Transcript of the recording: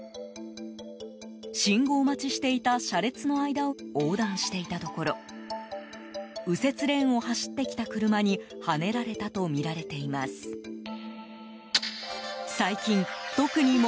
信号待ちしていた車列の間を横断していたところ右折レーンを走ってきた車にはねられたとみられています。